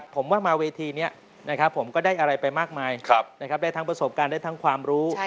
ผมว่ามาเวทีนี้ผมก็ได้อะไรไปมากมายได้ทั้งประสบการณ์ได้ทั้งความรู้